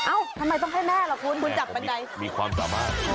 อ้าวทำไมต้องให้แม่หรอคุณพวกมันบีความกลัมา